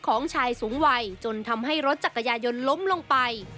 ของชายสูงวัยจนทำให้รถจักรยายนต์ล้มลงไป